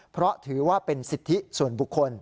เพราะถือว่าเป็นสิทธิส่วนบุคคล